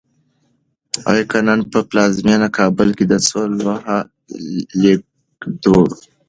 که نن په پلازمېنه کابل کې د څو لوحو لیکدړو